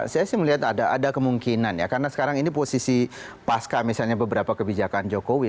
saya sih melihat ada kemungkinan ya karena sekarang ini posisi pasca misalnya beberapa kebijakan jokowi